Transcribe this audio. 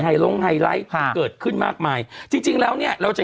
ลงไฮไลท์ที่เกิดขึ้นมากมายจริงจริงแล้วเนี้ยเราจะ